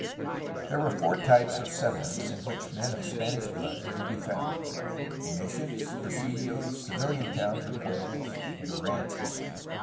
There were four types of settlement in which men of Spanish blood were to be found: missions; presidios; civihan towns {pueblos)] and ranches.